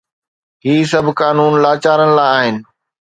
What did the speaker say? هي سڀ قانون لاچارن لاءِ آهن.